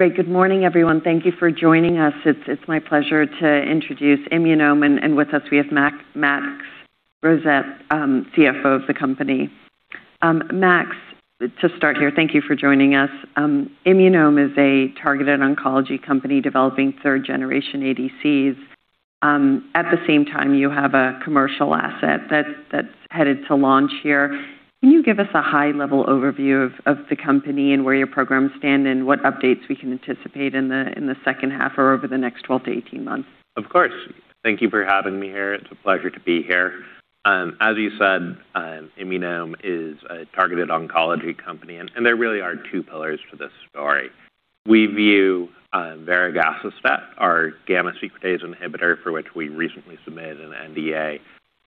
Great. Good morning, everyone. Thank you for joining us. It's my pleasure to introduce Immunome, and with us we have Max Rosett, CFO of the company. Max, to start here, thank you for joining us. Immunome is a targeted oncology company developing third-generation ADCs. At the same time, you have a commercial asset that's headed to launch here. Can you give us a high-level overview of the company and where your programs stand, and what updates we can anticipate in the second half or over the next 12 to 18 months? Of course. Thank you for having me here. It's a pleasure to be here. As you said, Immunome is a targeted oncology company. There really are two pillars to this story. We view varegacestat, our gamma-secretase inhibitor, for which we recently submitted an NDA,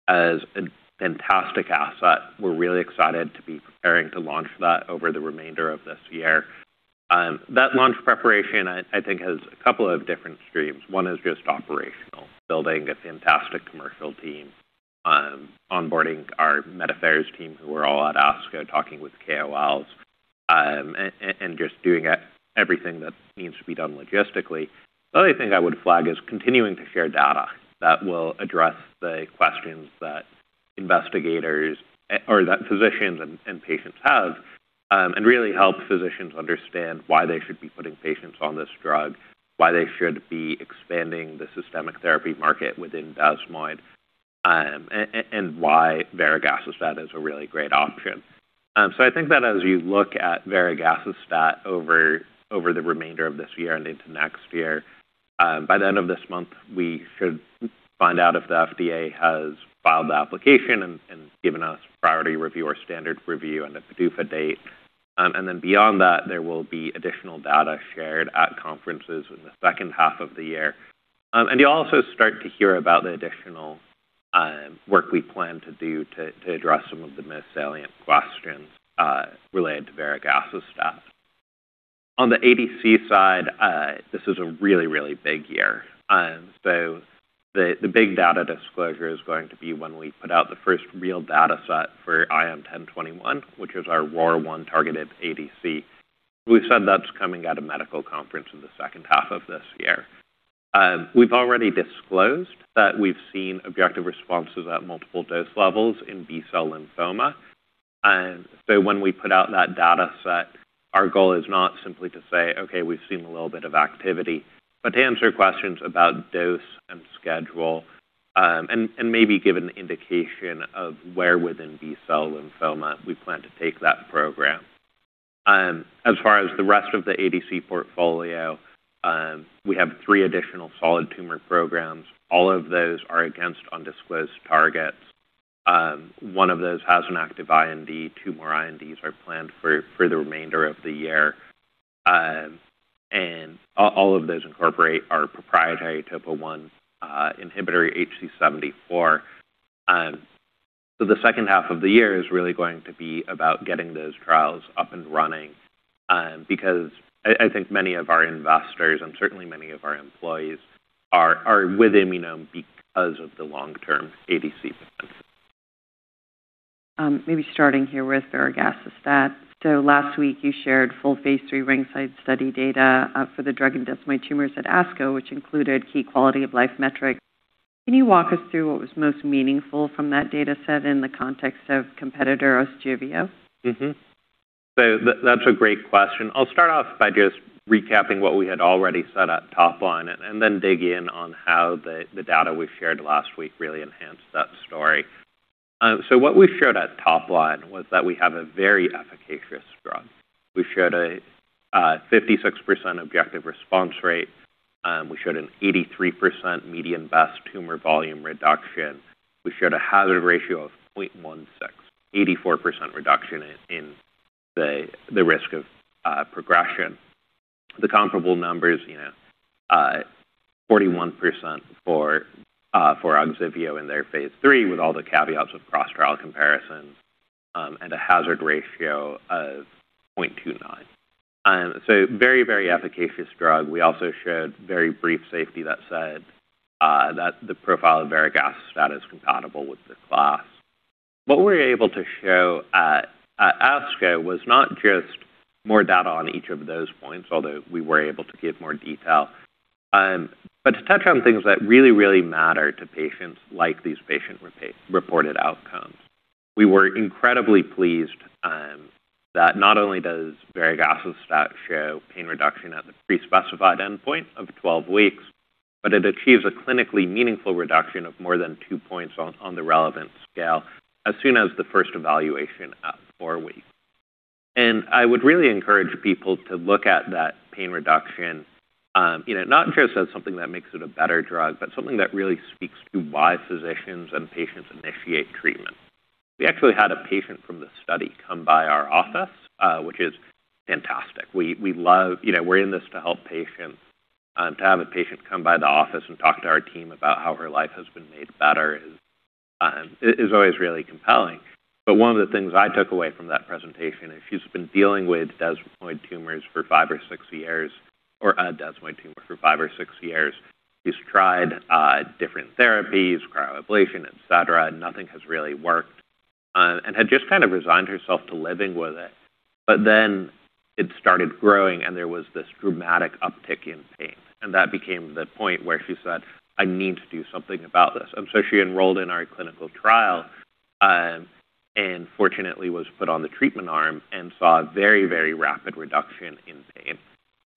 as a fantastic asset. We're really excited to be preparing to launch that over the remainder of this year. That launch preparation, I think, has a couple of different streams. One is just operational, building a fantastic commercial team, onboarding our med affairs team who are all at ASCO talking with KOLs, and just doing everything that needs to be done logistically. The other thing I would flag is continuing to share data that will address the questions that physicians and patients have, and really help physicians understand why they should be putting patients on this drug, why they should be expanding the systemic therapy market within desmoid, and why varegacestat is a really great option. I think that as you look at varegacestat over the remainder of this year and into next year, by the end of this month, we should find out if the FDA has filed the application and given us priority review or standard review and a PDUFA date. Beyond that, there will be additional data shared at conferences in the second half of the year. You'll also start to hear about the additional work we plan to do to address some of the most salient questions related to varegacestat. On the ADC side, this is a really, really big year. The big data disclosure is going to be when we put out the first real data set for IM-1021, which is our ROR1-targeted ADC. We've said that's coming at a medical conference in the second half of this year. We've already disclosed that we've seen objective responses at multiple dose levels in B-cell lymphoma. When we put out that data set, our goal is not simply to say, "Okay, we've seen a little bit of activity," but to answer questions about dose and schedule, and maybe give an indication of where within B-cell lymphoma we plan to take that program. As far as the rest of the ADC portfolio, we have three additional solid tumor programs. All of those are against undisclosed targets. One of those has an active IND, two more INDs are planned for the remainder of the year. All of those incorporate our proprietary TOPO1 inhibitor, HC74. The second half of the year is really going to be about getting those trials up and running, because I think many of our investors, and certainly many of our employees are with Immunome because of the long-term ADC potential. Maybe starting here with varegacestat. Last week you shared full phase III RINGSIDE study data for the drug in desmoid tumors at ASCO, which included key quality of life metrics. Can you walk us through what was most meaningful from that data set in the context of competitor, OGSIVEO? That's a great question. I'll start off by just recapping what we had already said at top line and then dig in on how the data we shared last week really enhanced that story. What we showed at top line was that we have a very efficacious drug. We showed a 56% objective response rate. We showed an 83% median best tumor volume reduction. We showed a hazard ratio of 0.16, 84% reduction in the risk of progression. The comparable numbers, 41% for OGSIVEO in their phase III, with all the caveats of cross-trial comparisons, and a hazard ratio of 0.29. Very, very efficacious drug. We also showed very brief safety that said that the profile of varegacestat is compatible with the class. What we were able to show at ASCO was not just more data on each of those points, although we were able to give more detail, but to touch on things that really, really matter to patients like these patient-reported outcomes. We were incredibly pleased that not only does varegacestat show pain reduction at the pre-specified endpoint of 12 weeks, but it achieves a clinically meaningful reduction of more than two points on the relevant scale as soon as the first evaluation at four weeks. I would really encourage people to look at that pain reduction, not just as something that makes it a better drug, but something that really speaks to why physicians and patients initiate treatment. We actually had a patient from the study come by our office, which is fantastic. We're in this to help patients. To have a patient come by the office and talk to our team about how her life has been made better is always really compelling. One of the things I took away from that presentation is she's been dealing with desmoid tumors for five or six years, or a desmoid tumor for five or six years. She's tried different therapies, cryoablation, et cetera, nothing has really worked. Had just kind of resigned herself to living with it. It started growing and there was this dramatic uptick in pain, that became the point where she said, "I need to do something about this." She enrolled in our clinical trial, fortunately was put on the treatment arm and saw a very rapid reduction in pain.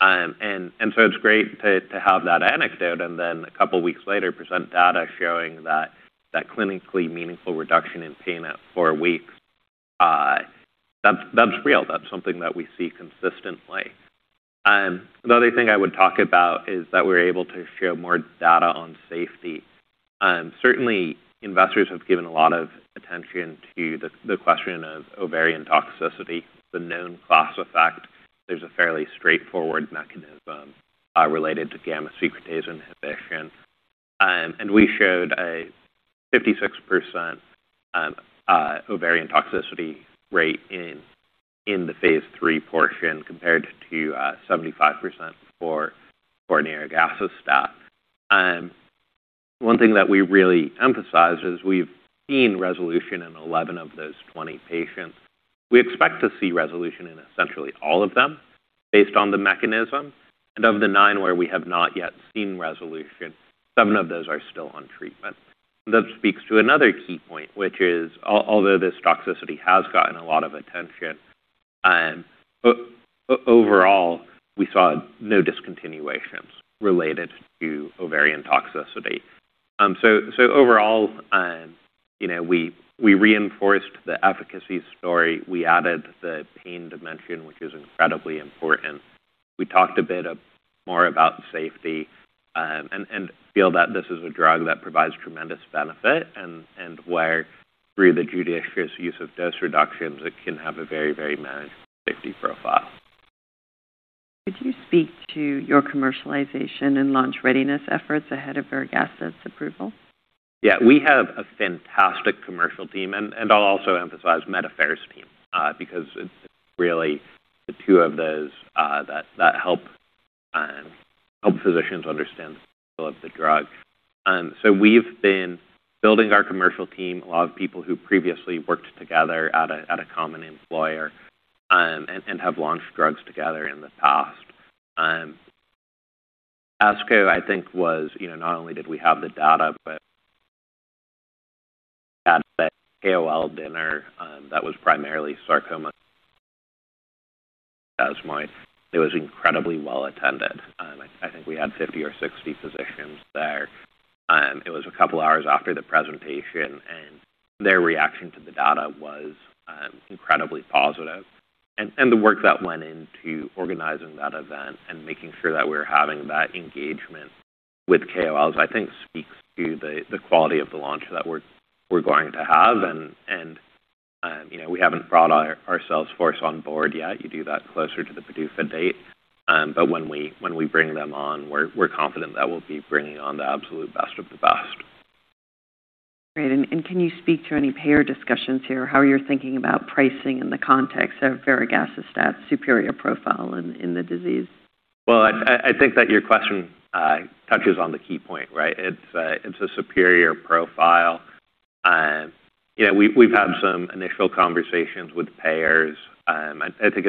It's great to have that anecdote and then a couple of weeks later present data showing that clinically meaningful reduction in pain at four weeks. That's real. That's something that we see consistently. The other thing I would talk about is that we're able to show more data on safety. Certainly, investors have given a lot of attention to the question of ovarian toxicity, the known class effect. There's a fairly straightforward mechanism related to gamma-secretase inhibition. We showed a 56% ovarian toxicity rate in the phase III portion compared to 75% for nirogacestat. One thing that we really emphasize is we've seen resolution in 11 of those 20 patients. We expect to see resolution in essentially all of them based on the mechanism, of the nine where we have not yet seen resolution, seven of those are still on treatment. That speaks to another key point, which is, although this toxicity has gotten a lot of attention, overall, we saw no discontinuations related to ovarian toxicity. Overall, we reinforced the efficacy story, we added the pain dimension, which is incredibly important. We talked a bit more about safety, feel that this is a drug that provides tremendous benefit and where through the judicious use of dose reductions it can have a very managed safety profile. Could you speak to your commercialization and launch readiness efforts ahead of varegacestat's approval? We have a fantastic commercial team, and I'll also emphasize Med Affairs team, because it's really the two of those that help physicians understand the potential of the drug. We've been building our commercial team, a lot of people who previously worked together at a common employer, and have launched drugs together in the past. ASCO, I think was, not only did we have the data, but at the KOL dinner, that was primarily sarcoma. It was incredibly well attended. I think we had 50 or 60 physicians there. It was a couple of hours after the presentation. Their reaction to the data was incredibly positive. The work that went into organizing that event and making sure that we were having that engagement with KOLs I think speaks to the quality of the launch that we're going to have. We haven't brought our sales force on board yet. You do that closer to the PDUFA date. When we bring them on, we're confident that we'll be bringing on the absolute best of the best. Great. Can you speak to any payer discussions here, how you're thinking about pricing in the context of varegacestat's superior profile in the disease? Well, I think that your question touches on the key point, right? It's a superior profile. We've had some initial conversations with payers. I think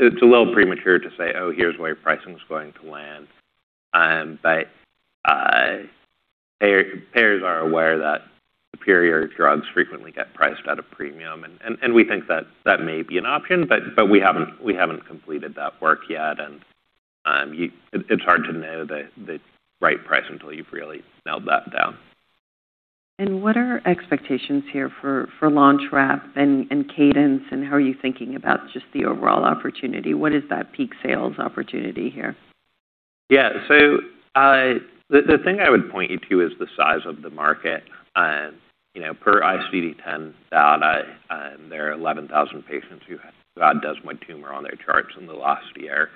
it's a little premature to say, "Oh, here's where pricing is going to land." Payers are aware that superior drugs frequently get priced at a premium. We think that may be an option, but we haven't completed that work yet. It's hard to know the right price until you've really nailed that down. What are expectations here for launch wrap and cadence and how are you thinking about just the overall opportunity? What is that peak sales opportunity here? Yeah. The thing I would point you to is the size of the market. Per ICD-10 data, there are 11,000 patients who had desmoid tumor on their charts in the last year.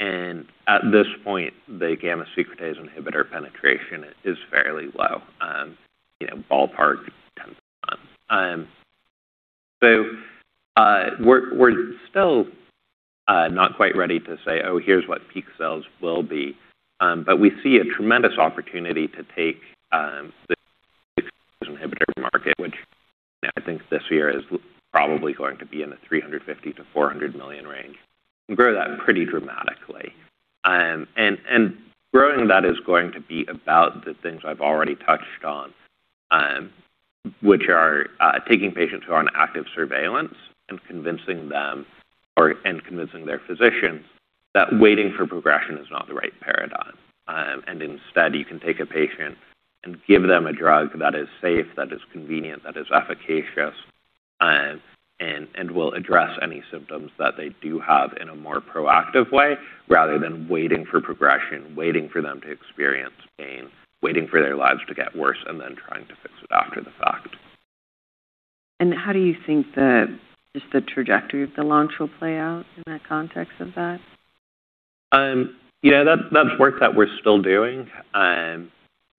At this point, the gamma-secretase inhibitor penetration is fairly low. Ballpark, 10%. We're still not quite ready to say, "Oh, here's what peak sales will be." We see a tremendous opportunity to take the gamma-secretase inhibitor market, which I think this year is probably going to be in the $350 million-$400 million range, and grow that pretty dramatically. Growing that is going to be about the things I've already touched on, which are taking patients who are on active surveillance and convincing them and convincing their physicians that waiting for progression is not the right paradigm. Instead, you can take a patient and give them a drug that is safe, that is convenient, that is efficacious, and will address any symptoms that they do have in a more proactive way rather than waiting for progression, waiting for them to experience pain, waiting for their lives to get worse, and then trying to fix it after the fact. How do you think just the trajectory of the launch will play out in that context of that? That's work that we're still doing.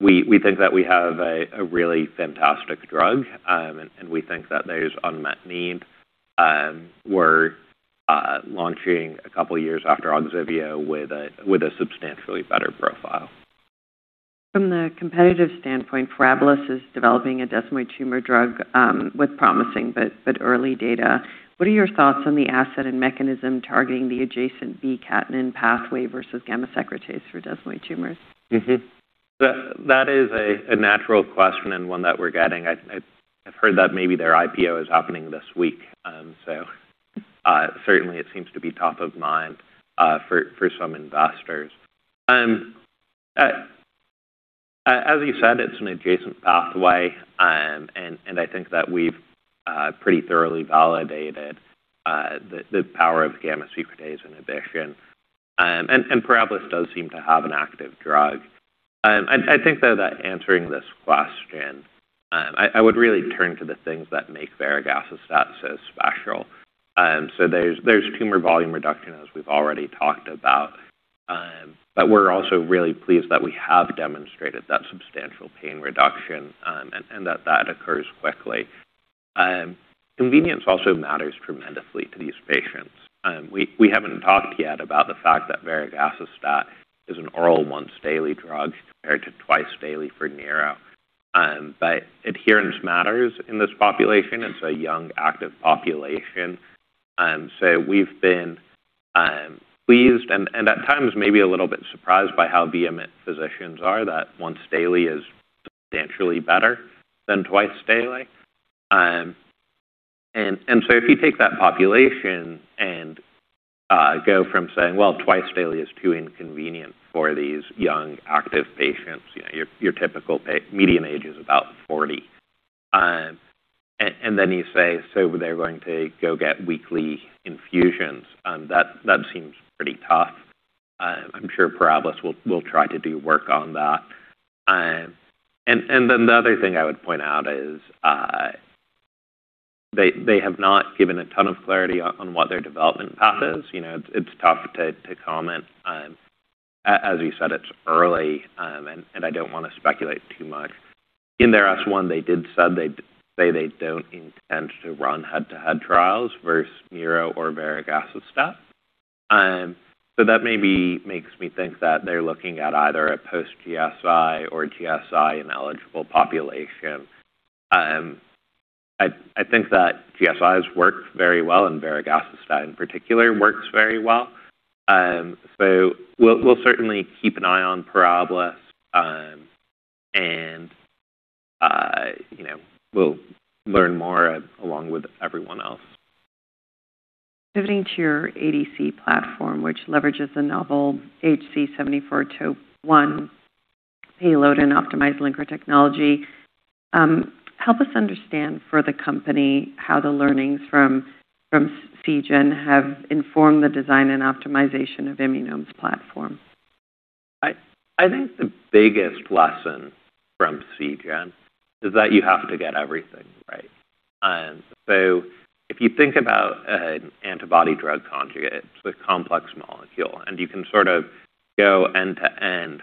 We think that we have a really fantastic drug, and we think that there's unmet need. We're launching a couple of years after Niro with a substantially better profile. From the competitive standpoint, Parabilis is developing a desmoid tumor drug with promising, but early data. What are your thoughts on the asset and mechanism targeting the adjacent β-catenin pathway versus gamma-secretase for desmoid tumors? That is a natural question and one that we're getting. I've heard that maybe their IPO is happening this week. Certainly it seems to be top of mind for some investors. As you said, it's an adjacent pathway. I think that we've pretty thoroughly validated the power of gamma-secretase inhibition. Parabilis does seem to have an active drug. I think, though, that answering this question, I would really turn to the things that make varegacestat so special. There's tumor volume reduction, as we've already talked about, but we're also really pleased that we have demonstrated that substantial pain reduction, and that that occurs quickly. Convenience also matters tremendously to these patients. We haven't talked yet about the fact that varegacestat is an oral once-daily drug compared to twice daily for niro. Adherence matters in this population. It's a young, active population. We've been pleased and at times maybe a little bit surprised by how vehement physicians are that once daily is substantially better than twice daily. If you take that population and go from saying, "Well, twice daily is too inconvenient for these young active patients," your typical median age is about 40. Then you say, "They're going to go get weekly infusions," that seems pretty tough. I'm sure Parabilis will try to do work on that. The other thing I would point out is they have not given a ton of clarity on what their development path is. It's tough to comment. As you said, it's early. I don't want to speculate too much. In their S-1, they did say they don't intend to run head-to-head trials versus niro or varegacestat. That maybe makes me think that they're looking at either a post-GSI or GSI in eligible population. I think that GSIs work very well, and varegacestat in particular works very well. We'll certainly keep an eye on Parabilis, and we'll learn more along with everyone else. Pivoting to your ADC platform, which leverages the novel HC74 TOP1 payload and optimized linker technology, help us understand for the company how the learnings from Seagen have informed the design and optimization of Immunome's platform. I think the biggest lesson from Seagen is that you have to get everything right. If you think about an antibody drug conjugate, it's a complex molecule, and you can sort of go end to end.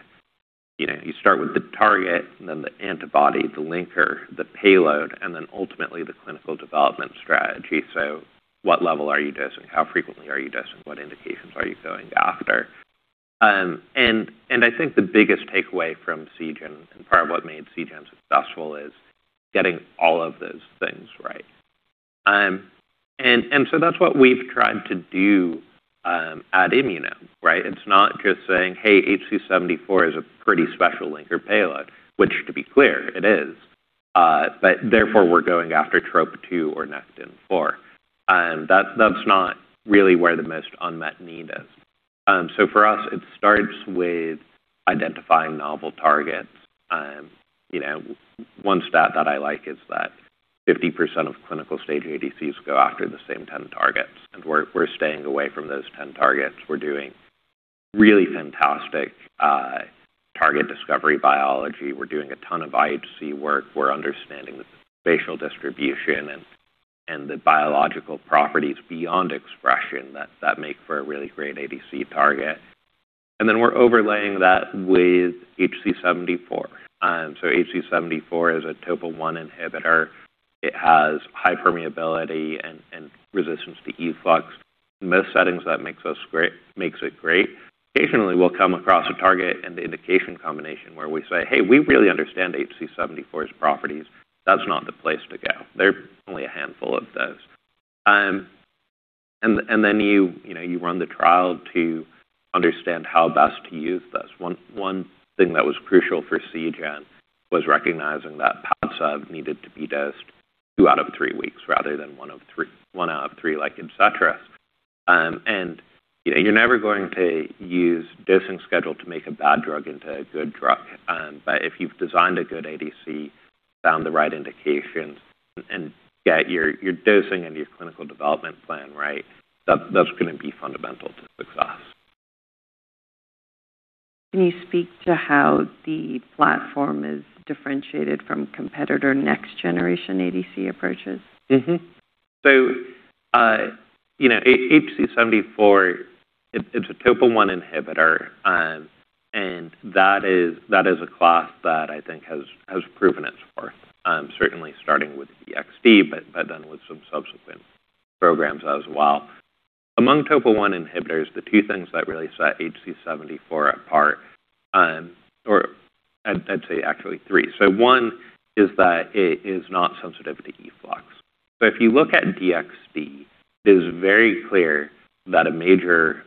You start with the target, the antibody, the linker, the payload, ultimately the clinical development strategy. What level are you dosing? How frequently are you dosing? What indications are you going after? I think the biggest takeaway from Seagen, and part of what made Seagen successful, is getting all of those things right. That's what we've tried to do at Immunome, right? It's not just saying, "Hey, HC74 is a pretty special linker payload," which, to be clear, it is, but therefore we're going after TROP2 or Nectin-4. That's not really where the most unmet need is. For us, it starts with identifying novel targets. One stat that I like is that 50% of clinical-stage ADCs go after the same 10 targets, we're staying away from those 10 targets. We're doing really fantastic target discovery biology. We're doing a ton of IHC work. We're understanding the spatial distribution and the biological properties beyond expression that make for a really great ADC target. We're overlaying that with HC74. HC74 is a TOPO1 inhibitor. It has high permeability and resistance to efflux. In most settings, that makes it great. Occasionally, we'll come across a target and the indication combination where we say, "Hey, we really understand HC74's properties. That's not the place to go." There are only a handful of those. You run the trial to understand how best to use this. One thing that was crucial for Seagen was recognizing that PADCEV needed to be dosed two out of three weeks rather than one out of three, like etcetera. You're never going to use dosing schedule to make a bad drug into a good drug. If you've designed a good ADC, found the right indications, and get your dosing and your clinical development plan right, that's going to be fundamental to success. Can you speak to how the platform is differentiated from competitor next-generation ADC approaches? HC74, it's a TOPO1 inhibitor, that is a class that I think has proven itself. Certainly starting with DXd, with some subsequent programs as well. Among TOPO1 inhibitors, the two things that really set HC74 apart, or I'd say actually three. One is that it is not sensitive to efflux. If you look at DXd, it is very clear that a major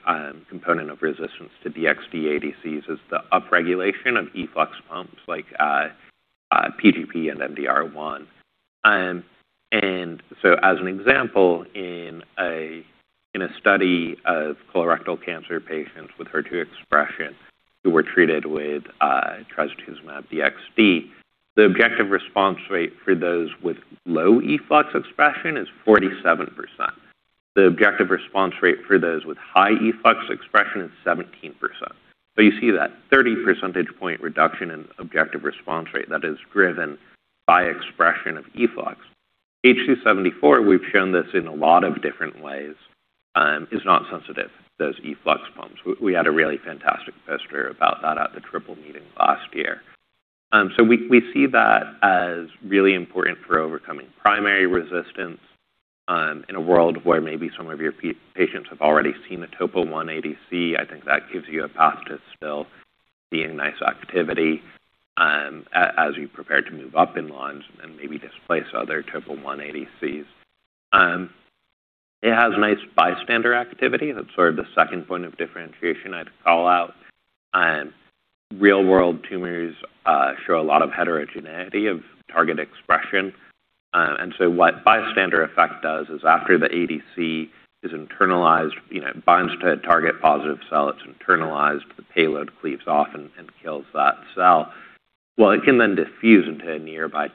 component of resistance to DXd ADCs is the upregulation of efflux pumps like P-gp and MDR1. As an example, in a study of colorectal cancer patients with HER2 expression who were treated with trastuzumab DXd, the objective response rate for those with low efflux expression is 47%. The objective response rate for those with high efflux expression is 17%. You see that 30 percentage point reduction in objective response rate that is driven by expression of efflux. HC74, we've shown this in a lot of different ways, is not sensitive to those efflux pumps. We had a really fantastic poster about that at the Triple Meeting last year. We see that as really important for overcoming primary resistance, in a world where maybe some of your patients have already seen a TOPO1 ADC. I think that gives you a path to still seeing nice activity, as you prepare to move up in lines and maybe displace other TOPO1 ADCs. It has nice bystander activity. That's the second point of differentiation I'd call out. Real-world tumors show a lot of heterogeneity of target expression. What bystander effect does is after the ADC is internalized, it binds to a target positive cell, it's internalized, the payload cleaves off and kills that cell. It can then diffuse into a nearby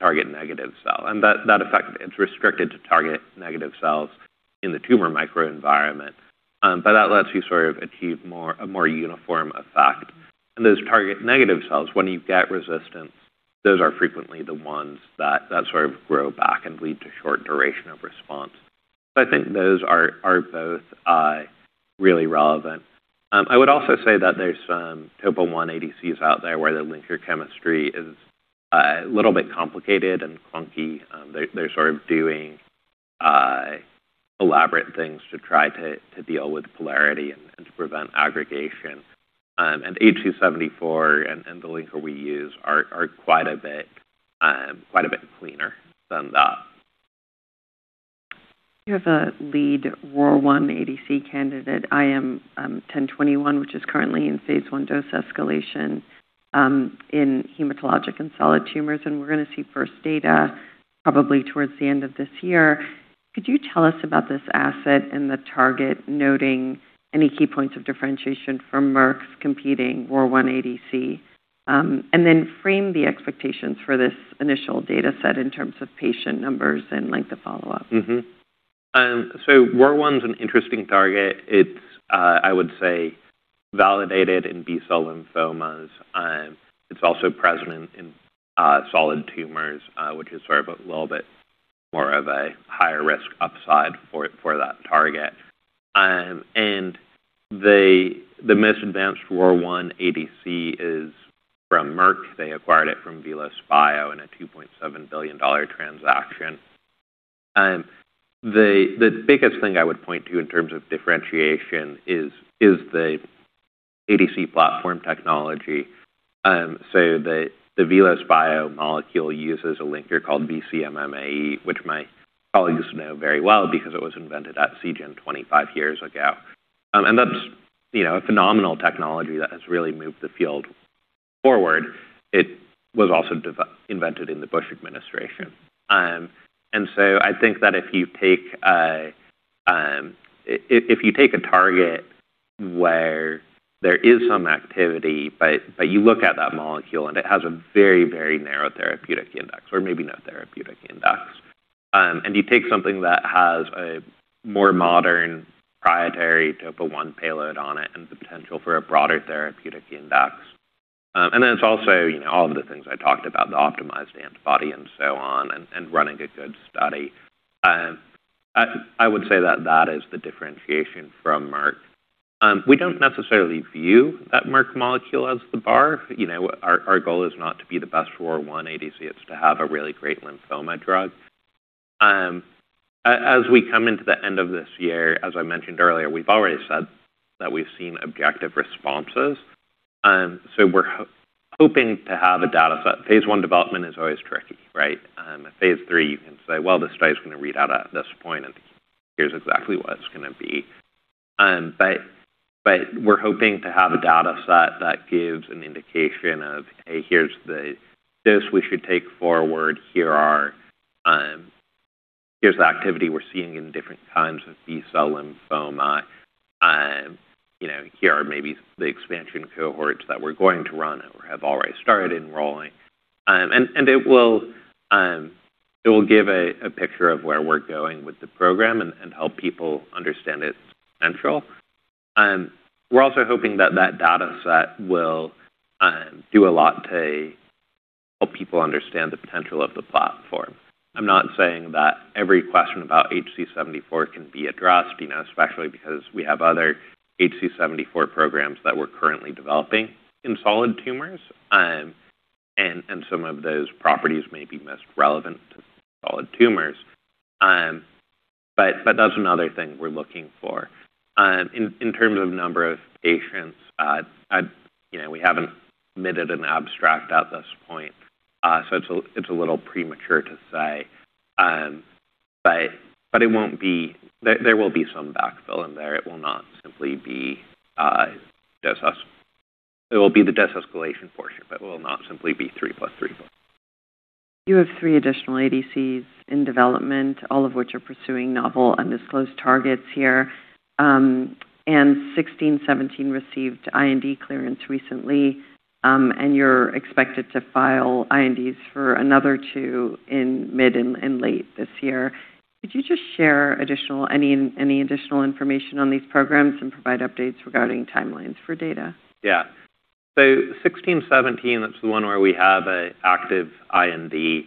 target negative cell. That effect, it's restricted to target negative cells in the tumor microenvironment. That lets you achieve a more uniform effect. Those target negative cells, when you get resistance, those are frequently the ones that grow back and lead to short duration of response. I think those are both really relevant. I would also say that there's some TOPO1 ADCs out there where the linker chemistry is a little bit complicated and clunky. They're doing elaborate things to try to deal with polarity and to prevent aggregation. HC74 and the linker we use are quite a bit cleaner than that. You have a lead ROR1 ADC candidate, IM-1021, which is currently in phase I dose escalation, in hematologic and solid tumors, we're going to see first data probably towards the end of this year. Could you tell us about this asset and the target, noting any key points of differentiation from Merck's competing ROR1 ADC? Then frame the expectations for this initial data set in terms of patient numbers and length of follow-up. ROR1's an interesting target. It's, I would say, validated in B-cell lymphomas. It's also present in solid tumors, which is a little bit more of a higher risk upside for that target. The most advanced ROR1 ADC is from Merck. They acquired it from VelosBio in a $2.7 billion transaction. The biggest thing I would point to in terms of differentiation is the ADC platform technology. The VelosBio molecule uses a linker called vc-MMAE, which my colleagues know very well because it was invented at Seagen 25 years ago. That's a phenomenal technology that has really moved the field forward. It was also invented in the Bush administration. I think that if you take a target where there is some activity, but you look at that molecule and it has a very, very narrow therapeutic index or maybe no therapeutic index. You take something that has a more modern proprietary TOPO1 payload on it and the potential for a broader therapeutic index. It's also all of the things I talked about, the optimized antibody and so on, and running a good study. I would say that that is the differentiation from Merck. We don't necessarily view that Merck molecule as the bar. Our goal is not to be the best ROR1 ADC, it's to have a really great lymphoma drug. As we come into the end of this year, as I mentioned earlier, we've already said that we've seen objective responses. We're hoping to have a data set. Phase I development is always tricky, right? At phase III, you can say, "Well, this study's going to read out at this point, and here's exactly what it's going to be." We're hoping to have a data set that gives an indication of, hey, here's the this we should take forward. Here's the activity we're seeing in different kinds of B-cell lymphoma. Here are maybe the expansion cohorts that we're going to run or have already started enrolling. It will give a picture of where we're going with the program and help people understand its potential. We're also hoping that that data set will do a lot to help people understand the potential of the payload. I'm not saying that every question about HC74 can be addressed, especially because we have other HC74 programs that we're currently developing in solid tumors, and some of those properties may be most relevant to solid tumors. That's another thing we're looking for. In terms of number of patients, we haven't submitted an abstract at this point, it's a little premature to say. There will be some backfill in there. It will be the de-escalation portion, but will not simply be three plus three plus. You have three additional ADCs in development, all of which are pursuing novel undisclosed targets here. IM-1617 received IND clearance recently, and you're expected to file INDs for another two in mid and late this year. Could you just share any additional information on these programs and provide updates regarding timelines for data? IM-1617, that's the one where we have an active IND.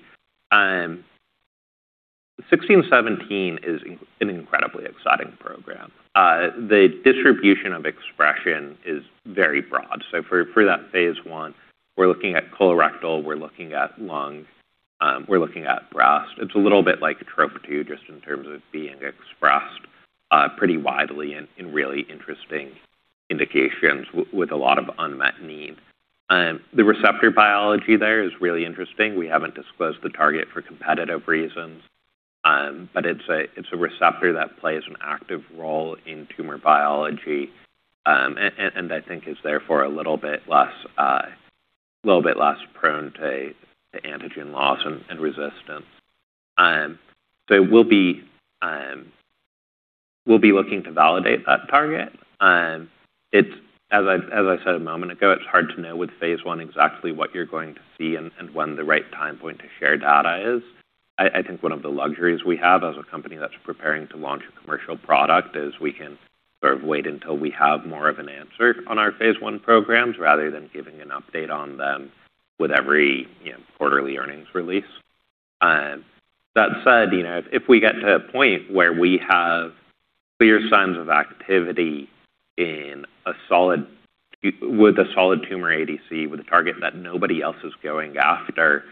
IM-1617 is an incredibly exciting program. The distribution of expression is very broad. For that phase I, we're looking at colorectal, we're looking at lung, we're looking at breast. It's a little bit like TROP2, just in terms of being expressed pretty widely in really interesting indications with a lot of unmet need. The receptor biology there is really interesting. We haven't disclosed the target for competitive reasons, but it's a receptor that plays an active role in tumor biology, and I think is therefore a little bit less prone to antigen loss and resistance. We'll be looking to validate that target. As I said a moment ago, it's hard to know with phase I exactly what you're going to see and when the right time point to share data is. I think one of the luxuries we have as a company that's preparing to launch a commercial product is we can sort of wait until we have more of an answer on our phase I programs rather than giving an update on them with every quarterly earnings release. That said, if we get to a point where we have clear signs of activity with a solid tumor ADC, with a target that nobody else is going after,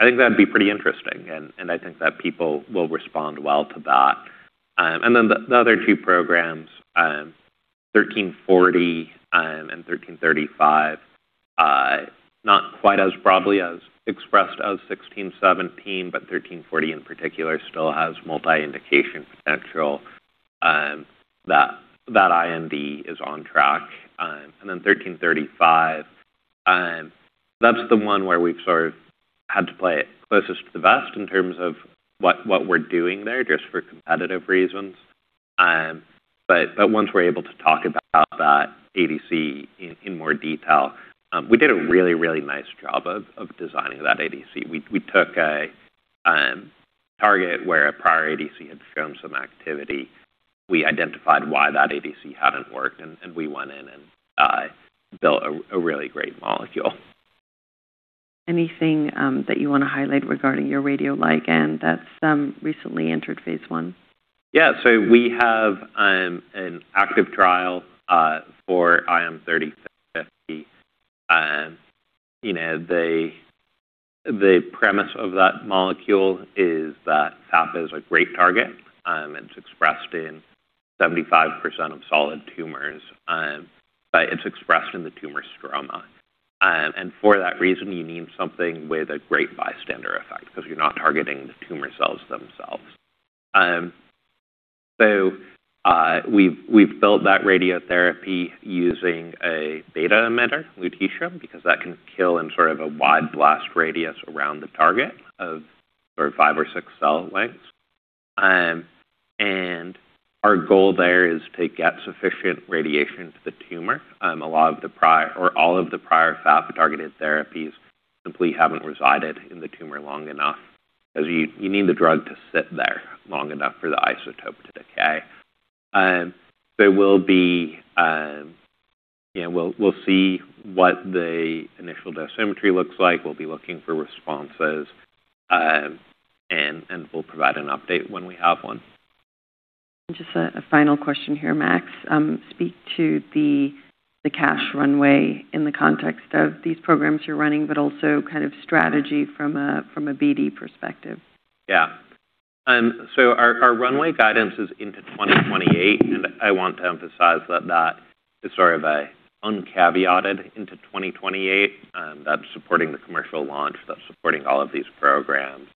I think that'd be pretty interesting, and I think that people will respond well to that. The other two programs, IM-1340 and IM-1335, not quite as broadly as expressed as 1617, but 1340 in particular still has multi-indication potential. That IND is on track. IM-1335, that's the one where we've sort of had to play it closest to the vest in terms of what we're doing there, just for competitive reasons. Once we're able to talk about that ADC in more detail, we did a really, really nice job of designing that ADC. We took a target where a prior ADC had shown some activity. We identified why that ADC hadn't worked, and we went in and built a really great molecule. Anything that you want to highlight regarding your radioligand that's recently entered phase I? Yeah. We have an active trial for IM-3050. The premise of that molecule is that FAP is a great target. It's expressed in 75% of solid tumors, but it's expressed in the tumor stroma. For that reason, you need something with a great bystander effect because you're not targeting the tumor cells themselves. We've built that radiotherapy using a beta emitter, lutetium, because that can kill in sort of a wide blast radius around the target of five or six cell lengths. Our goal there is to get sufficient radiation to the tumor. All of the prior FAP-targeted therapies simply haven't resided in the tumor long enough, because you need the drug to sit there long enough for the isotope to decay. We'll see what the initial dosimetry looks like. We'll be looking for responses, and we'll provide an update when we have one. Just a final question here, Max. Speak to the cash runway in the context of these programs you're running, but also kind of strategy from a BD perspective. Yeah. Our runway guidance is into 2028, I want to emphasize that is sort of uncaveated into 2028. That's supporting the commercial launch, that's supporting all of these programs.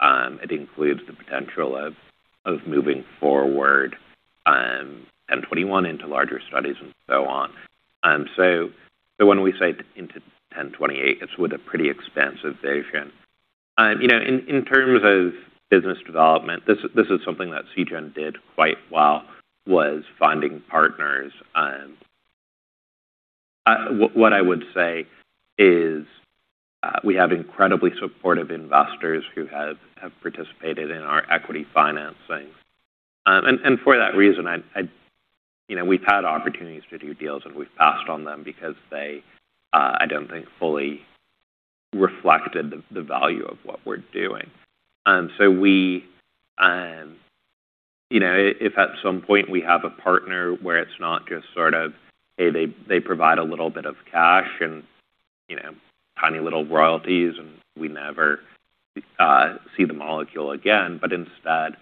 It includes the potential of moving forward IM-1021 into larger studies and so on. When we say into 10/28, it's with a pretty expansive vision. In terms of business development, this is something that Seagen did quite well, was finding partners. What I will say is we have incredibly supportive investors who have participated in our equity financing. For that reason, we've had opportunities to do deals, and we've passed on them because they, I don't think, fully reflected the value of what we're doing. If at some point we have a partner where it's not just sort of, hey, they provide a little bit of cash and tiny little royalties, we never see the molecule again, but instead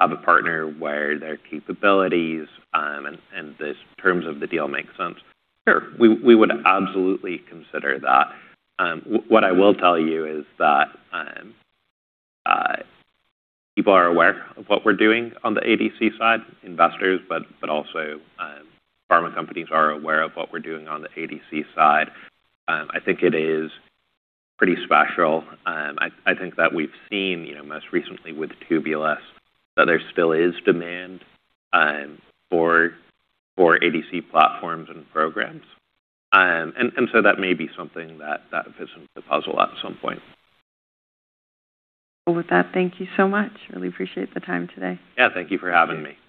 have a partner where their capabilities, the terms of the deal make sense, sure, we would absolutely consider that. What I will tell you is that people are aware of what we're doing on the ADC side, investors, but also pharma companies are aware of what we're doing on the ADC side. I think it is pretty special. I think that we've seen, most recently with Tubulis, that there still is demand for ADC platforms and programs. That may be something that fits into the puzzle at some point. Well, with that, thank you so much. Really appreciate the time today. Yeah, thank you for having me.